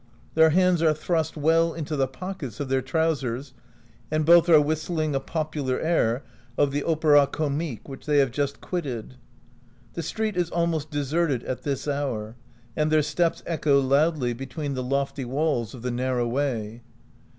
Their hands are thrust well into the pockets of their trousers, and both are whistling a popular air of the Op era Comique, which they have just quitted. The street is almost deserted at this hour, and their steps echo loudly between the lofty walls of the narrow way.